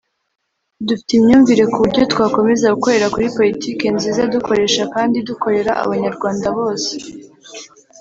dufite imyumvire ku buryo twakomeza gukorera kuri politiki nziza dukoresha kandi dukorera abanyarwanda bose